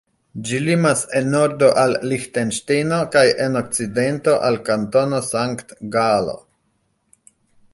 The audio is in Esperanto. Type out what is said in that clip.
Ĝi limas en nordo al Liĥtenŝtejno kaj en okcidento al Kantono Sankt-Galo.